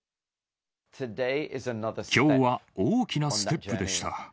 きょうは大きなステップでした。